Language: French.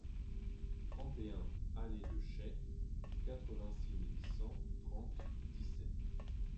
trente et un allée de Chaix, quatre-vingt-six mille cent trente Dissay